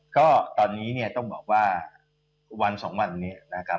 ก็ตอนนี้เนี่ยต้องบอกว่าวันสองวันนี้นะครับ